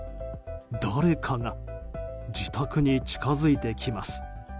誰かが自宅に近づいてきます。